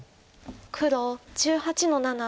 黒１８の七。